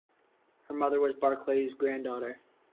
Her mother was Barclay's granddaughter.